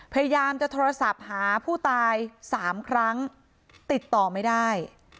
พยายามจะโทรศัพท์หาผู้ตาย๓ครั้งติดต่อไม่ได้